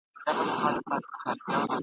داسي ولاړ سي لکه نه وي چي راغلی !.